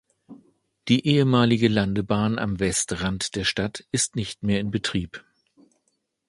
Die ehemalige Landebahn am Westrand der Stadt ist nicht mehr in Betrieb.